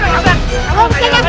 kita mau berangkat ke sana